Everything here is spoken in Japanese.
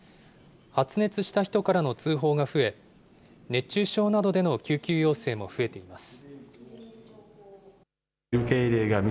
発熱した人からの通報が増え、熱中症などでの救急要請も増えています。